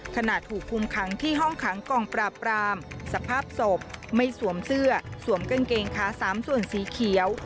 ขณะถูกคุมขังที่ห้องขังกองปราบรามสภาพศพไม่สวมเสื้อสวมกางเกงขาสามส่วนสีเขียว